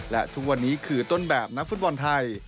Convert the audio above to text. และทุกวันนี้คือต้นแบบนักฟุตบอลไทย